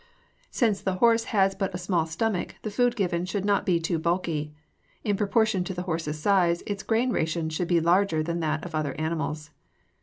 Since the horse has but a small stomach, the food given should not be too bulky. In proportion to the horse's size, its grain ration should be larger than that of other animals.